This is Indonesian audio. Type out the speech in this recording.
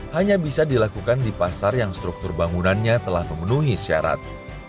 hanya bisa dilakukan di pasar yang struktur bangunannya telah memenuhi syarat